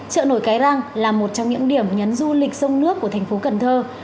chợ nổi cái răng là một trong những điểm nhấn du lịch sông nước của thành phố cần thơ